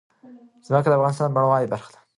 ځمکه د افغانستان د بڼوالۍ برخه ده.